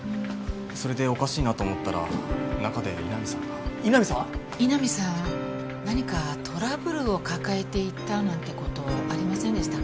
それでおかしいなと思ったら中で井波さんが。井波さん何かトラブルを抱えていたなんて事ありませんでしたか？